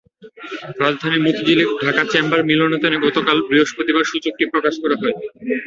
রাজধানীর মতিঝিলে ঢাকা চেম্বার মিলনায়তনে গতকাল বৃহস্পতিবার সূচকটি প্রকাশ করা হয়।